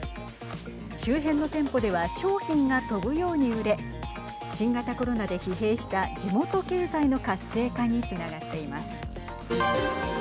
周辺の店舗では商品が飛ぶように売れ新型コロナで疲弊した地元経済の活性化につながっています。